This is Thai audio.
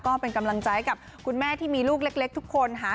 ก็เป็นกำลังใจกับคุณแม่ที่มีลูกเล็กทุกคนค่ะ